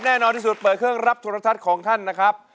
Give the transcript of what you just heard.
แน่นอนที่สุดเปิดเครื่องรับโทรทัศน์ของท่านนะครับ